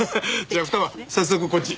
じゃあ二葉早速こっち。